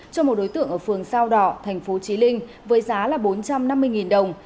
cho một đối tượng ở phường sao đỏ thành phố trí linh với giá là bốn trăm năm mươi đồng